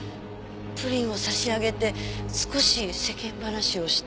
プリンを差し上げて少し世間話をして。